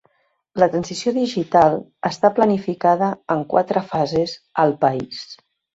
La transició digital està planificada en quatre fases al país.